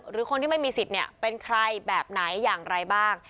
หรือคนที่ไม่มีสิทธิ์เนี่ยเป็นใครแบบไหนอย่างไรบ้าง